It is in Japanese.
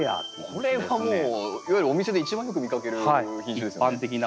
これはもういわゆるお店で一番よく見かける品種ですよね。